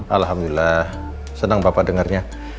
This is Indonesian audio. alhamdulillah senang bapak dengarnya